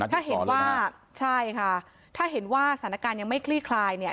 ถ้าเห็นว่าใช่ค่ะถ้าเห็นว่าสถานการณ์ยังไม่คลี่คลายเนี่ย